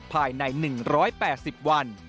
ภายใน๑๘๐วัน